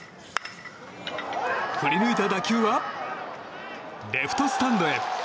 振り抜いた打球はレフトスタンドへ。